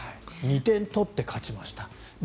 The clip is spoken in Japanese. ２点取って勝ちました。